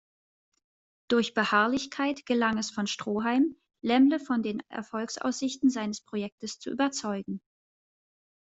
Durch Beharrlichkeit gelang es von Stroheim, Laemmle von den Erfolgsaussichten seines Projektes zu überzeugen.